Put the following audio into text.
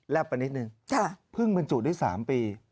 แล่บมานิดนึงพึ่งบรรจุได้๓ปี